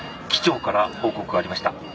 機長から報告がありました。